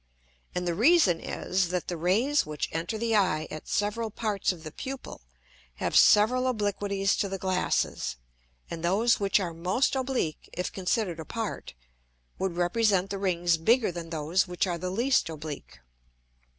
And the reason is, that the Rays which enter the Eye at several parts of the Pupil, have several Obliquities to the Glasses, and those which are most oblique, if consider'd apart, would represent the Rings bigger than those which are the least oblique.